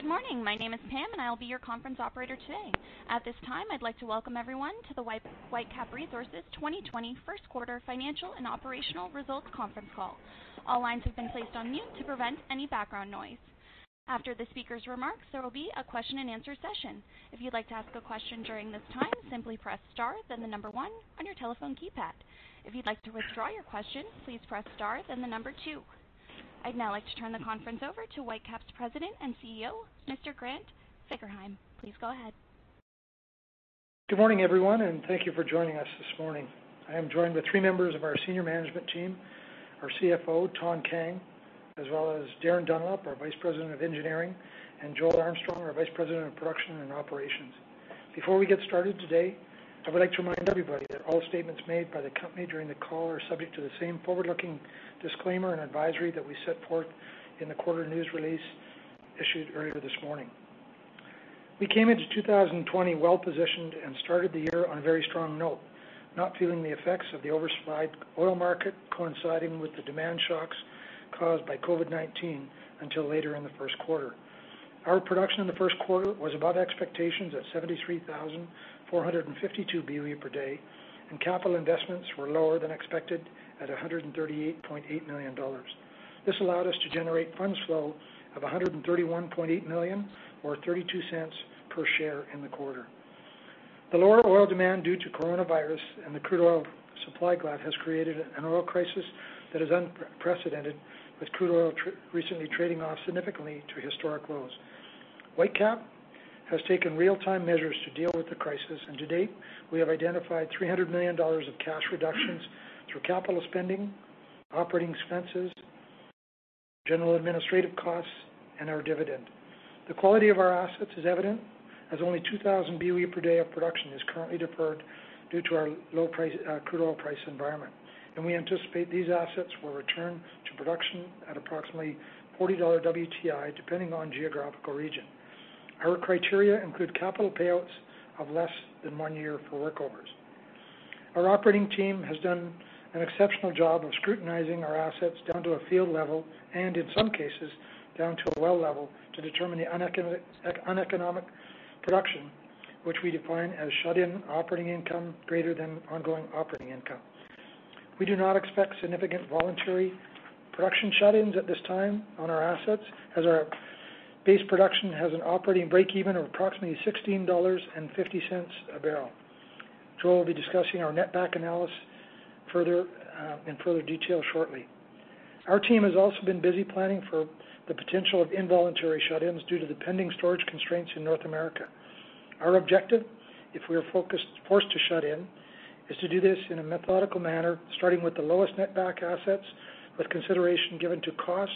Good morning. My name is Pam, and I'll be your conference operator today. At this time, I'd like to welcome everyone to the Whitecap Resources 2020 First Quarter Financial and Operational Results Conference Call. All lines have been placed on mute to prevent any background noise. After the speaker's remarks, there will be a question-and-answer session. If you'd like to ask a question during this time, simply press star, then the number one on your telephone keypad. If you'd like to withdraw your question, please press star, then the number two. I'd now like to turn the conference over to Whitecap's President and CEO, Mr. Grant Fagerheim. Please go ahead. Good morning, everyone, and thank you for joining us this morning. I am joined with three members of our senior management team: our CFO, Thanh Kang, as well as Darin Dunlop, our Vice President of Engineering, and Joel Armstrong, our Vice President of Production and Operations. Before we get started today, I would like to remind everybody that all statements made by the company during the call are subject to the same forward-looking disclaimer and advisory that we set forth in the quarter news release issued earlier this morning. We came into 2020 well-positioned and started the year on a very strong note, not feeling the effects of the oversupplied oil market coinciding with the demand shocks caused by COVID-19 until later in the first quarter. Our production in the first quarter was above expectations at 73,452 BOE per day, and capital investments were lower than expected at 138.8 million dollars. This allowed us to generate funds flow of 131.8 million, or 0.32 per share in the quarter. The lower oil demand due to coronavirus and the crude oil supply glut has created an oil crisis that is unprecedented, with crude oil recently trading off significantly to historic lows. Whitecap has taken real-time measures to deal with the crisis, and to date, we have identified 300 million dollars of cash reductions through capital spending, operating expenses, general administrative costs, and our dividend. The quality of our assets is evident, as only 2,000 BOE per day of production is currently deferred due to our low crude oil price environment, and we anticipate these assets will return to production at approximately $40 WTI, depending on geographical region. Our criteria include capital payouts of less than one year for workovers. Our operating team has done an exceptional job of scrutinizing our assets down to a field level and, in some cases, down to a well level to determine the uneconomic production, which we define as shut-in operating income greater than ongoing operating income. We do not expect significant voluntary production shut-ins at this time on our assets, as our base production has an operating break-even of approximately $16.50 a barrel. Joel will be discussing our netback analysis in further detail shortly. Our team has also been busy planning for the potential of involuntary shut-ins due to the pending storage constraints in North America. Our objective, if we are forced to shut in, is to do this in a methodical manner, starting with the lowest netback assets, with consideration given to cost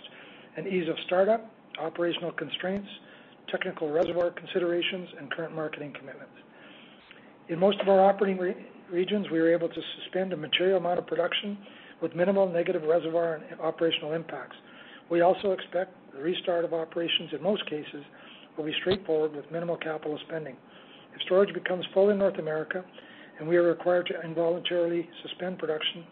and ease of startup, operational constraints, technical reservoir considerations, and current marketing commitments. In most of our operating regions, we were able to suspend a material amount of production with minimal negative reservoir and operational impacts. We also expect the restart of operations, in most cases, will be straightforward with minimal capital spending. If storage becomes full in North America and we are required to involuntarily suspend production,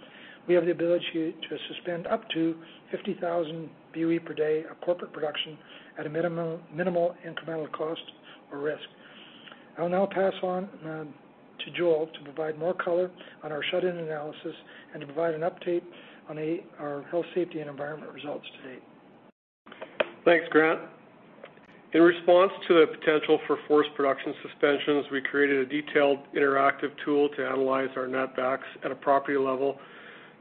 we have the ability to suspend up to 50,000 BOE per day of corporate production at a minimal incremental cost or risk. I'll now pass on to Joel to provide more color on our shut-in analysis and to provide an update on our health, safety, and environment results to date. Thanks, Grant. In response to the potential for forced production suspensions, we created a detailed interactive tool to analyze our netbacks at a property level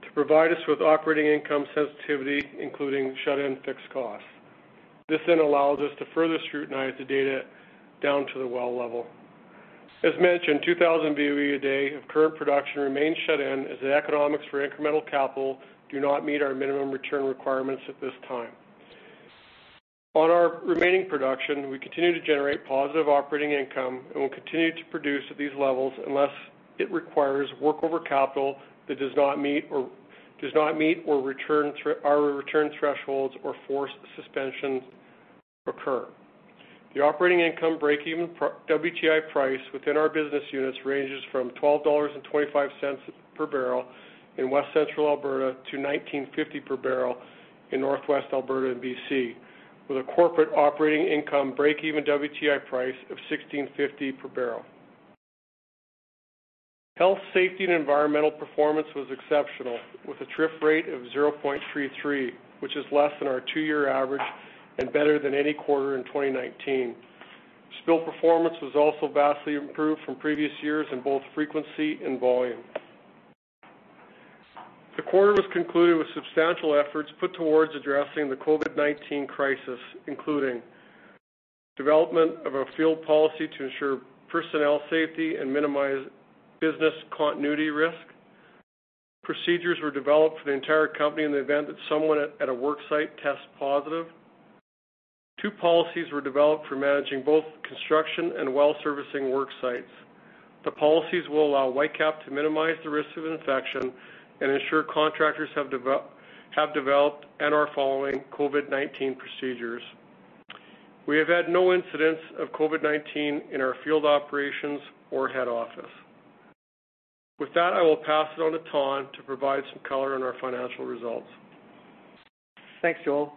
to provide us with operating income sensitivity, including shut-in fixed costs. This then allows us to further scrutinize the data down to the well level. As mentioned, 2,000 BOE a day of current production remains shut in as the economics for incremental capital do not meet our minimum return requirements at this time. On our remaining production, we continue to generate positive operating income and will continue to produce at these levels unless it requires workover capital that does not meet our return thresholds or forced suspensions occur. The operating income break-even WTI price within our business units ranges from $12.25 per barrel in West Central Alberta to $19.50 per barrel in Northwest Alberta and BC, with a corporate operating income break-even WTI price of $16.50 per barrel. Health, safety, and environmental performance was exceptional, with a TRIF rate of 0.33, which is less than our two-year average and better than any quarter in 2019. Spill performance was also vastly improved from previous years in both frequency and volume. The quarter was concluded with substantial efforts put towards addressing the COVID-19 crisis, including development of a field policy to ensure personnel safety and minimize business continuity risk. Procedures were developed for the entire company in the event that someone at a work site tests positive. Two policies were developed for managing both construction and well-servicing work sites. The policies will allow Whitecap to minimize the risk of infection and ensure contractors have developed and are following COVID-19 procedures. We have had no incidents of COVID-19 in our field operations or head office. With that, I will pass it on to Thanh to provide some color on our financial results. Thanks, Joel.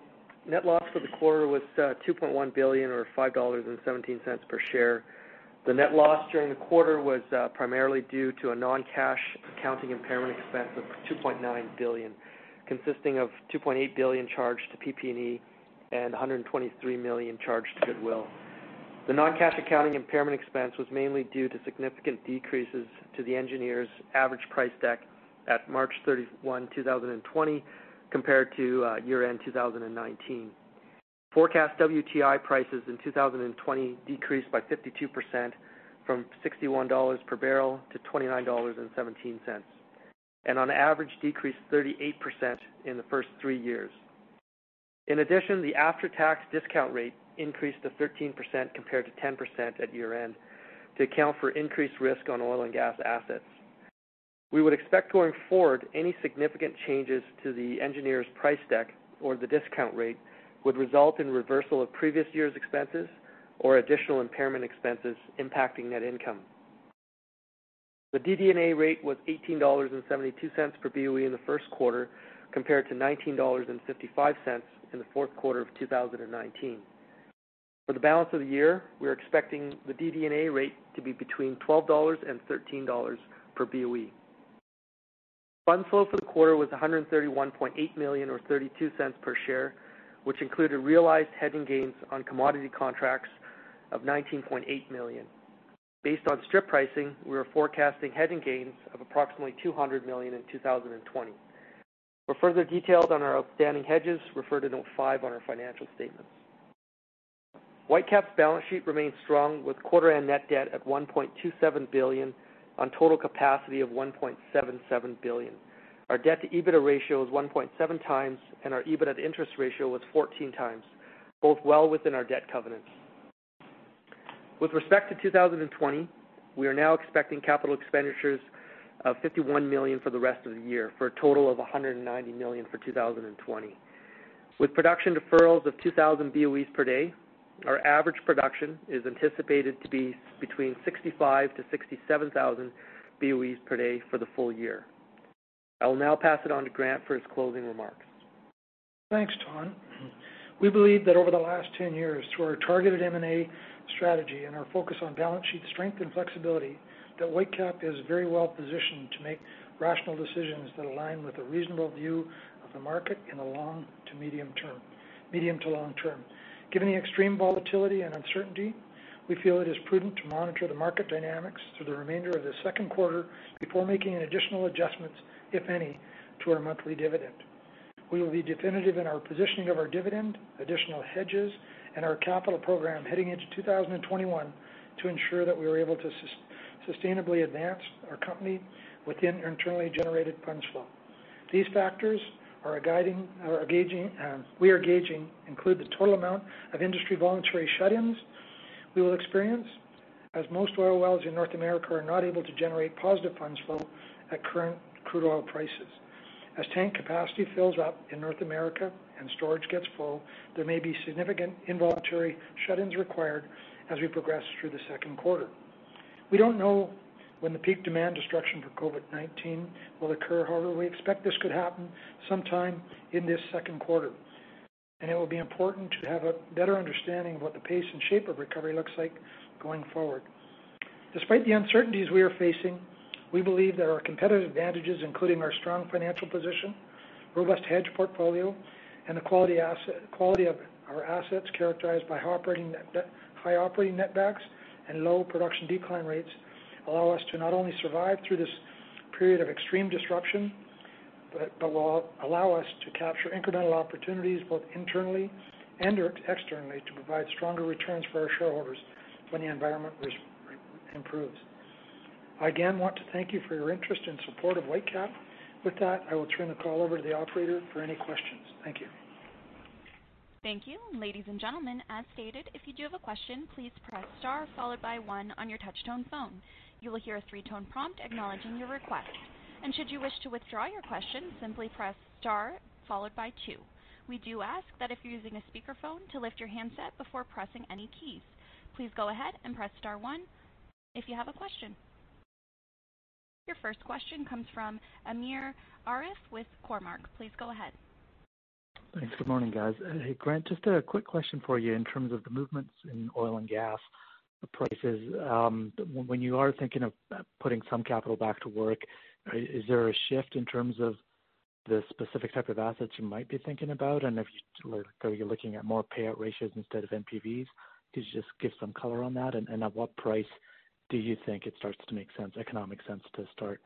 Net loss for the quarter was 2.1 billion, or $5.17 per share. The net loss during the quarter was primarily due to a non-cash accounting impairment expense of 2.9 billion, consisting of 2.8 billion charged to PP&E and 123 million charged to Goodwill. The non-cash accounting impairment expense was mainly due to significant decreases to the engineers' average price deck at March 31, 2020, compared to year-end 2019. Forecast WTI prices in 2020 decreased by 52% from $61 per barrel to $29.17, and on average decreased 38% in the first three years. In addition, the after-tax discount rate increased to 13% compared to 10% at year-end to account for increased risk on oil and gas assets. We would expect going forward any significant changes to the engineers' price deck or the discount rate would result in reversal of previous year's expenses or additional impairment expenses impacting net income. The DD&A rate was 18.72 dollars per BOE in the first quarter compared to 19.55 dollars in the fourth quarter of 2019. For the balance of the year, we are expecting the DD&A rate to be between 12 dollars and 13 dollars per BOE. Funds flow for the quarter was 131.8 million, or 0.32 per share, which included realized hedging gains on commodity contracts of 19.8 million. Based on strip pricing, we are forecasting hedging gains of approximately 200 million in 2020. For further details on our outstanding hedges, refer to note five on our financial statements. Whitecap's balance sheet remains strong with quarter-end net debt at 1.27 billion on total capacity of 1.77 billion. Our debt-to-EBITDA ratio is 1.7 times, and our EBITDA to interest ratio was 14 times, both well within our debt covenants. With respect to 2020, we are now expecting capital expenditures of 51 million for the rest of the year, for a total of 190 million for 2020. With production deferrals of 2,000 BOE per day, our average production is anticipated to be between 65,000 to 67,000 BOE per day for the full year. I will now pass it on to Grant for his closing remarks. Thanks, Thanh. We believe that over the last 10 years, through our targeted M&A strategy and our focus on balance sheet strength and flexibility, that Whitecap is very well-positioned to make rational decisions that align with a reasonable view of the market in the long to medium term. Given the extreme volatility and uncertainty, we feel it is prudent to monitor the market dynamics through the remainder of the second quarter before making additional adjustments, if any, to our monthly dividend. We will be definitive in our positioning of our dividend, additional hedges, and our capital program heading into 2021 to ensure that we are able to sustainably advance our company within internally generated funds flow. These factors we are gauging include the total amount of industry voluntary shut-ins we will experience, as most oil wells in North America are not able to generate positive funds flow at current crude oil prices. As tank capacity fills up in North America and storage gets full, there may be significant involuntary shut-ins required as we progress through the second quarter. We don't know when the peak demand destruction for COVID-19 will occur. However, we expect this could happen sometime in this second quarter, and it will be important to have a better understanding of what the pace and shape of recovery looks like going forward. Despite the uncertainties we are facing, we believe that our competitive advantages, including our strong financial position, robust hedge portfolio, and the quality of our assets characterized by high operating netbacks and low production decline rates, allow us to not only survive through this period of extreme disruption but will allow us to capture incremental opportunities both internally and externally to provide stronger returns for our shareholders when the environment improves. I again want to thank you for your interest and support of Whitecap. With that, I will turn the call over to the operator for any questions. Thank you. Thank you. Ladies and gentlemen, as stated, if you do have a question, please press star followed by one on your touchtone phone. You will hear a three-tone prompt acknowledging your request. And should you wish to withdraw your question, simply press star followed by two. We do ask that if you're using a speakerphone, to lift your handset before pressing any keys. Please go ahead and press star one if you have a question. Your first question comes from Amir Arif with Cormark. Please go ahead. Thanks. Good morning, guys. Grant, just a quick question for you in terms of the movements in oil and gas prices. When you are thinking of putting some capital back to work, is there a shift in terms of the specific type of assets you might be thinking about? And if you're looking at more payout ratios instead of NPVs, could you just give some color on that? And at what price do you think it starts to make sense, economic sense, to start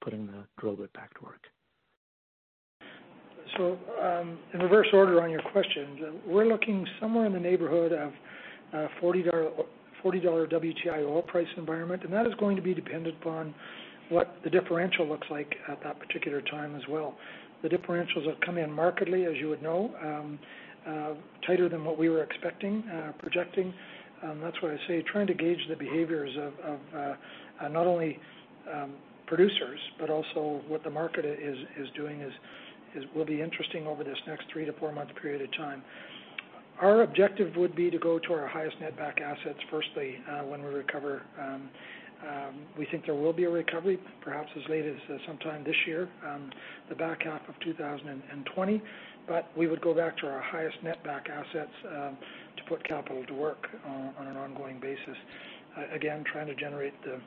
putting the drill bit back to work? So in reverse order on your question, we're looking somewhere in the neighborhood of $40 WTI oil price environment, and that is going to be dependent upon what the differential looks like at that particular time as well. The differentials have come in markedly, as you would know, tighter than what we were expecting, projecting. That's why I say trying to gauge the behaviors of not only producers but also what the market is doing will be interesting over this next three to four-month period of time. Our objective would be to go to our highest netback assets firstly when we recover. We think there will be a recovery, perhaps as late as sometime this year, the back half of 2020, but we would go back to our highest netback assets to put capital to work on an ongoing basis. Again, trying to generate the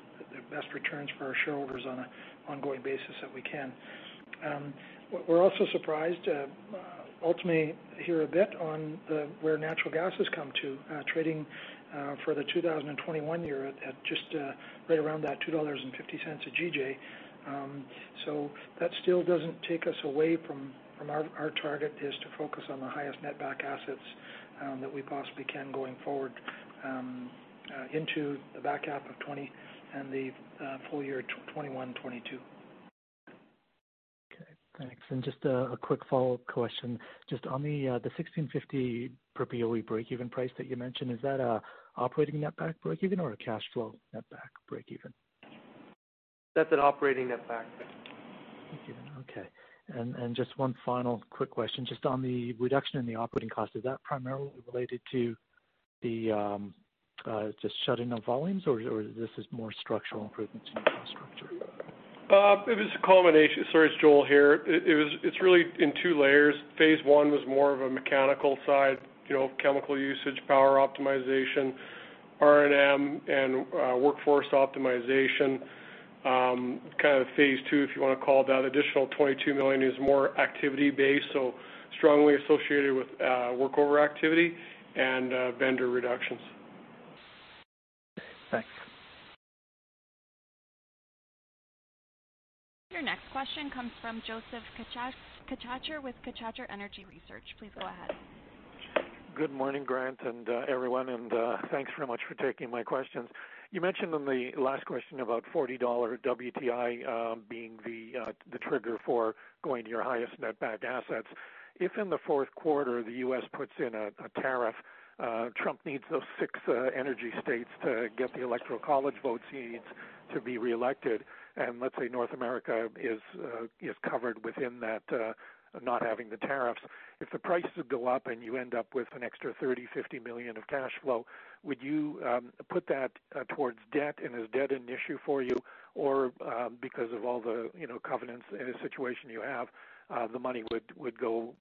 best returns for our shareholders on an ongoing basis that we can. We're also surprised to ultimately hear a bit on where natural gas has come to, trading for the 2021 year at just right around that 2.50 dollars a GJ. So that still doesn't take us away from our target is to focus on the highest netback assets that we possibly can going forward into the back half of 2020 and the full year 2021-2022. Okay. Thanks. And just a quick follow-up question. Just on the $16.50 per BOE break-even price that you mentioned, is that an operating netback break-even or a cash flow netback break-even? That's an operating netback. Okay. And just one final quick question. Just on the reduction in the operating cost, is that primarily related to the just shutting of volumes, or this is more structural improvements in your infrastructure? It was a combination. Sorry, it's Joel here. It's really in two layers. Phase one was more of a mechanical side, chemical usage, power optimization, R&M, and workforce optimization. Kind of phase two, if you want to call that, additional $22 million is more activity-based, so strongly associated with workover activity and vendor reductions. Thanks. Your next question comes from Josef Schachter with Schachter Energy Research Services. Please go ahead. Good morning, Grant and everyone, and thanks very much for taking my questions. You mentioned in the last question about $40 WTI being the trigger for going to your highest netback assets. If in the fourth quarter the U.S. puts in a tariff, Trump needs those six energy states to get the Electoral College votes he needs to be reelected, and let's say North America is covered within that, not having the tariffs. If the prices go up and you end up with an extra $30-$50 million of cash flow, would you put that towards debt? And is debt an issue for you, or because of all the covenants in a situation you have, the money would go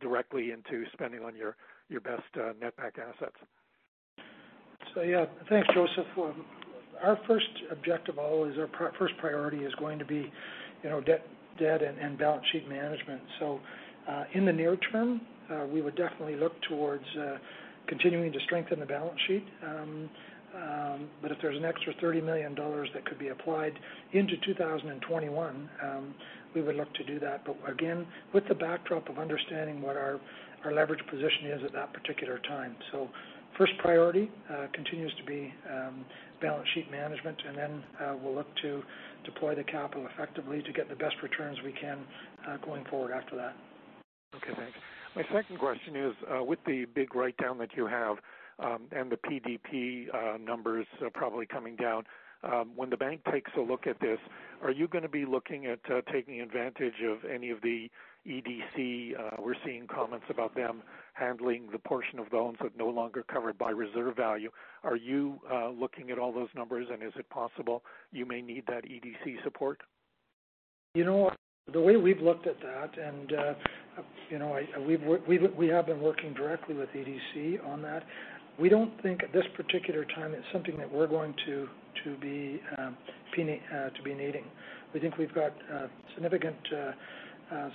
directly into spending on your best netback assets? So yeah, thanks, Josef. Our first objective always, our first priority is going to be debt and balance sheet management. So in the near term, we would definitely look towards continuing to strengthen the balance sheet. But if there's an extra 30 million dollars that could be applied into 2021, we would look to do that. But again, with the backdrop of understanding what our leverage position is at that particular time. So first priority continues to be balance sheet management, and then we'll look to deploy the capital effectively to get the best returns we can going forward after that. Okay. Thanks. My second question is, with the big write-down that you have and the PDP numbers probably coming down, when the bank takes a look at this, are you going to be looking at taking advantage of any of the EDC? We're seeing comments about them handling the portion of loans that are no longer covered by reserve value. Are you looking at all those numbers, and is it possible you may need that EDC support? You know what? The way we've looked at that, and we have been working directly with EDC on that, we don't think at this particular time it's something that we're going to be needing. We think we've got significant,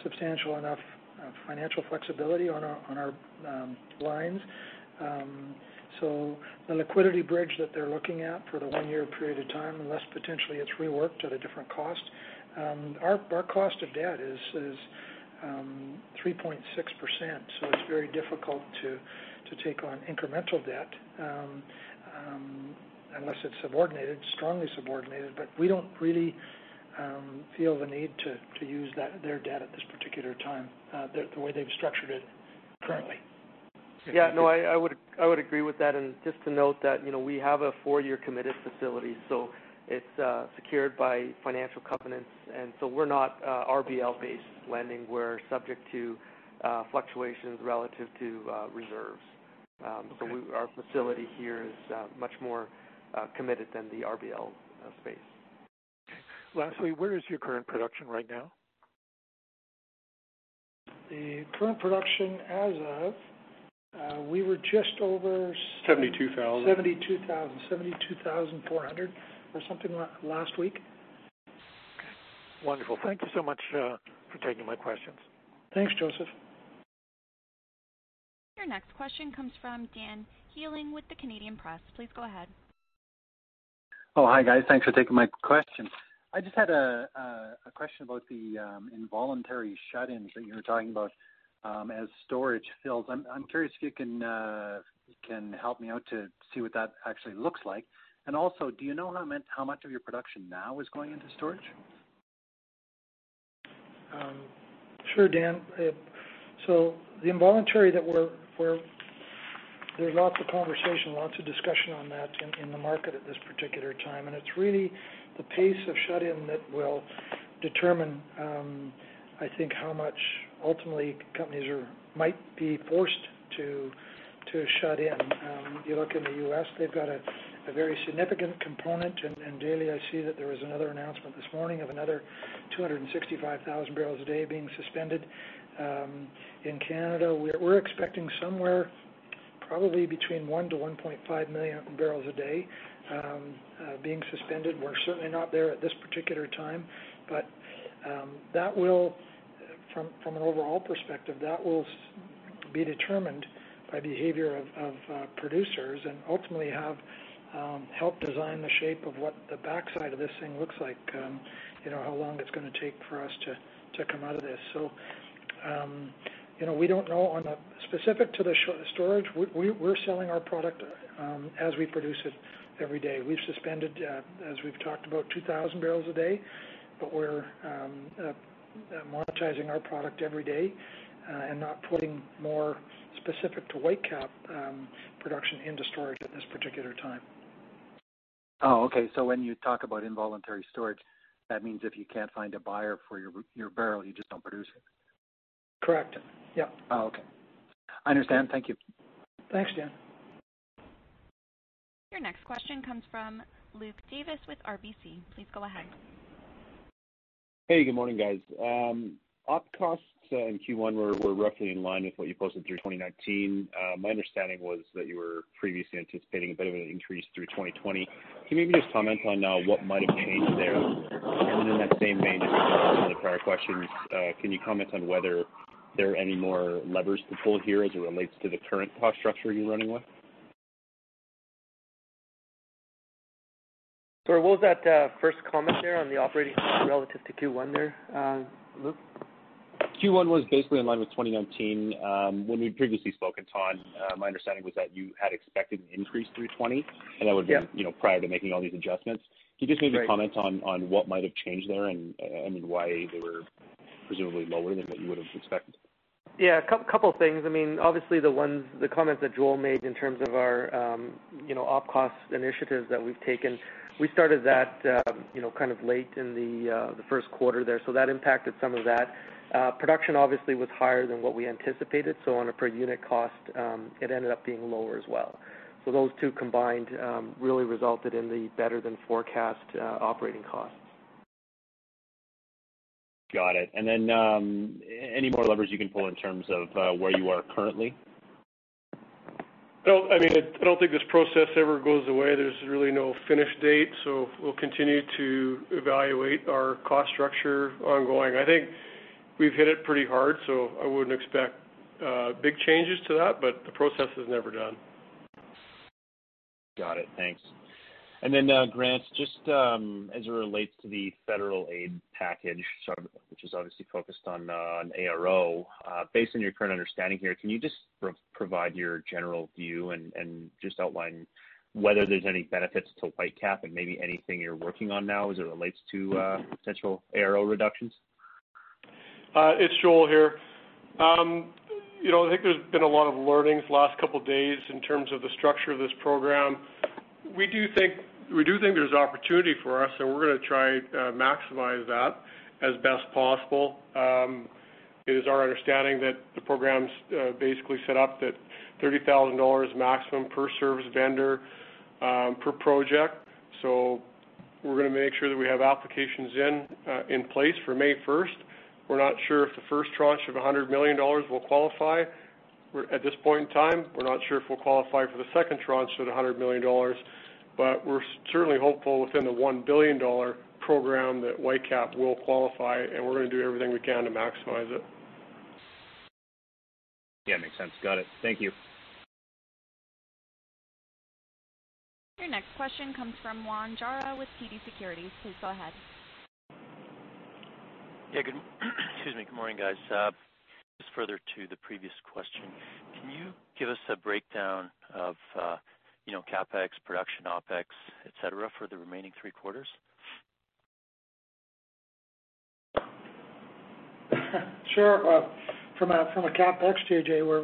substantial enough financial flexibility on our lines. So the liquidity bridge that they're looking at for the one-year period of time, unless potentially it's reworked at a different cost, our cost of debt is 3.6%. So it's very difficult to take on incremental debt unless it's subordinated, strongly subordinated. But we don't really feel the need to use their debt at this particular time, the way they've structured it currently. Yeah. No, I would agree with that. And just to note that we have a four-year committed facility, so it's secured by financial covenants. And so we're not RBL-based lending. We're subject to fluctuations relative to reserves. So our facility here is much more committed than the RBL space. Lastly, where is your current production right now? The current production as of, we were just over. 72,000. 72,000, 72,400 or something last week. Okay. Wonderful. Thank you so much for taking my questions. Thanks, Josef. Your next question comes from Dan Healing with the Canadian Press. Please go ahead. Oh, hi guys. Thanks for taking my question. I just had a question about the involuntary shut-ins that you were talking about as storage fills. I'm curious if you can help me out to see what that actually looks like, and also, do you know how much of your production now is going into storage? Sure, Dan. So the involuntary that we're, there's lots of conversation, lots of discussion on that in the market at this particular time, and it's really the pace of shut-in that will determine, I think, how much ultimately companies might be forced to shut in. You look in the U.S., they've got a very significant component. And daily, I see that there was another announcement this morning of another 265,000 barrels a day being suspended. In Canada, we're expecting somewhere probably between one to 1.5 million barrels a day being suspended. We're certainly not there at this particular time, but from an overall perspective, that will be determined by behavior of producers and ultimately help design the shape of what the backside of this thing looks like, how long it's going to take for us to come out of this. So we don't know on the specific to the storage. We're selling our product as we produce it every day. We've suspended, as we've talked about, 2,000 barrels a day, but we're monetizing our product every day and not putting more specific to Whitecap production into storage at this particular time. Oh, okay. So when you talk about involuntary storage, that means if you can't find a buyer for your barrel, you just don't produce it? Correct. Yep. Oh, okay. I understand. Thank you. Thanks, Dan. Your next question comes from Luke Davis with RBC. Please go ahead. Hey, good morning, guys. Op costs in Q1 were roughly in line with what you posted through 2019. My understanding was that you were previously anticipating a bit of an increase through 2020. Can you maybe just comment on what might have changed there, and then in that same vein, just to answer some of the prior questions, can you comment on whether there are any more levers to pull here as it relates to the current cost structure you're running with? Sorry, what was that first comment there on the operating relative to Q1 there, Luke? Q1 was basically in line with 2019. When we previously spoke at times, my understanding was that you had expected an increase through 2020, and that would have been prior to making all these adjustments. Can you just maybe comment on what might have changed there and why they were presumably lower than what you would have expected? Yeah, a couple of things. I mean, obviously, the comments that Joel made in terms of our op cost initiatives that we've taken, we started that kind of late in the first quarter there. So that impacted some of that. Production obviously was higher than what we anticipated. So on a per unit cost, it ended up being lower as well. So those two combined really resulted in the better-than-forecast operating costs. Got it, and then any more levers you can pull in terms of where you are currently? I mean, I don't think this process ever goes away. There's really no finish date. So we'll continue to evaluate our cost structure ongoing. I think we've hit it pretty hard, so I wouldn't expect big changes to that, but the process is never done. Got it. Thanks. And then, Grant, just as it relates to the federal aid package, which is obviously focused on ARO, based on your current understanding here, can you just provide your general view and just outline whether there's any benefits to Whitecap and maybe anything you're working on now as it relates to potential ARO reductions? It's Joel here. I think there's been a lot of learnings the last couple of days in terms of the structure of this program. We do think there's opportunity for us, and we're going to try to maximize that as best possible. It is our understanding that the program's basically set up that 30,000 dollars maximum per service vendor per project. So we're going to make sure that we have applications in place for May 1st. We're not sure if the first tranche of 100 million dollars will qualify at this point in time. We're not sure if we'll qualify for the second tranche of the 100 million dollars, but we're certainly hopeful within the 1 billion dollar program that Whitecap will qualify, and we're going to do everything we can to maximize it. Yeah, makes sense. Got it. Thank you. Your next question comes from Juan Jarrah with TD Securities. Please go ahead. Yeah, good morning. Excuse me. Good morning, guys. Just further to the previous question, can you give us a breakdown of CapEx, production, OpEx, etc., for the remaining three quarters? Sure. From a CapEx JJ,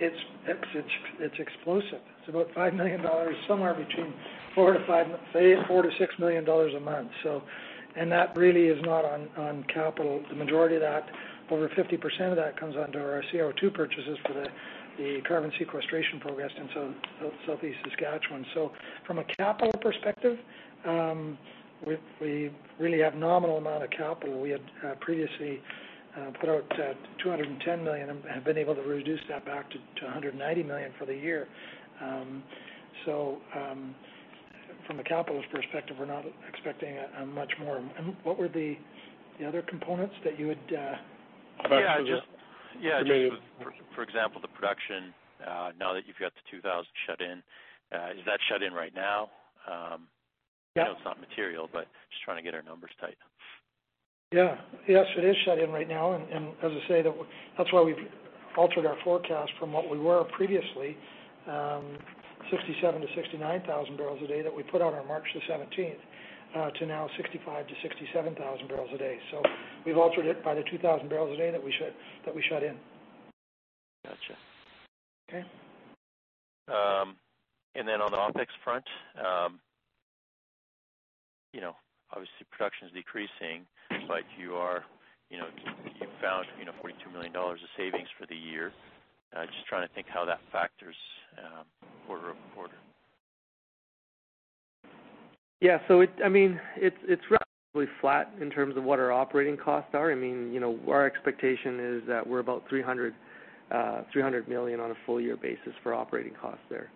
it's explosive. It's about 5 million dollars, somewhere between 4-6 million dollars a month. And that really is not on capital. The majority of that, over 50% of that, comes onto our CO2 purchases for the carbon sequestration progressed in Southeast Saskatchewan. So from a capital perspective, we really have a nominal amount of capital. We had previously put out 210 million and have been able to reduce that back to 190 million for the year. So from a capital perspective, we're not expecting much more. And what were the other components that you would? Yeah. Just for example, the production, now that you've got the 2,000 shut-in, is that shut-in right now? I know it's not material, but just trying to get our numbers tight. Yeah. Yes, it is shut-in right now, and as I say, that's why we've altered our forecast from what we were previously, 67-69 thousand barrels a day that we put out on March the 17th to now 65-67 thousand barrels a day. So we've altered it by the 2,000 barrels a day that we shut in. Gotcha. And then on the OpEx front, obviously, production is decreasing. Looks like you found 42 million dollars of savings for the year. Just trying to think how that factors quarter over quarter. Yeah. So I mean, it's relatively flat in terms of what our operating costs are. I mean, our expectation is that we're about $300 million on a full-year basis for operating costs there.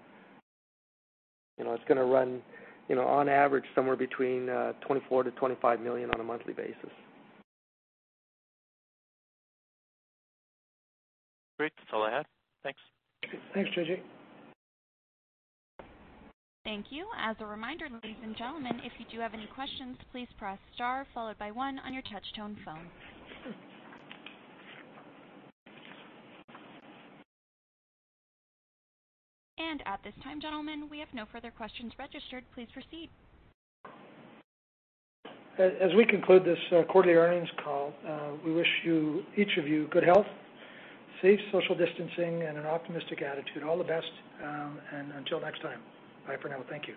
It's going to run on average somewhere between $24-$25 million on a monthly basis. Great. That's all I had. Thanks. Thanks, JJ. Thank you. As a reminder, ladies and gentlemen, if you do have any questions, please press star followed by one on your touch-tone phone. And at this time, gentlemen, we have no further questions registered. Please proceed. As we conclude this quarterly earnings call, we wish each of you good health, safe social distancing, and an optimistic attitude. All the best. And until next time. Bye for now. Thank you.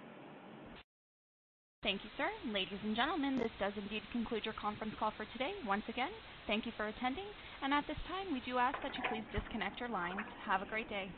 Thank you, sir. Ladies and gentlemen, this does indeed conclude your conference call for today. Once again, thank you for attending. At this time, we do ask that you please disconnect your lines. Have a great day.